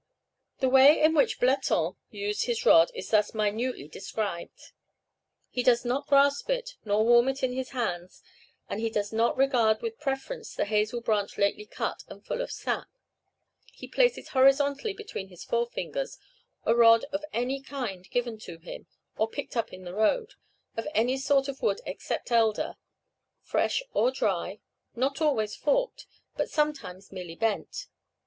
] The way in which Bleton used his rod is thus minutely described: "He does not grasp it, nor warm it in his hands, and he does not regard with preference a hazel branch lately cut and full of sap. He places horizontally between his forefingers a rod of any kind given to him, or picked up in the road, of any sort of wood except elder, fresh or dry, not always forked, but sometimes merely bent.